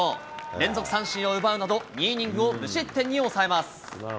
連続三振を奪うなど、２イニングを無失点に抑えます。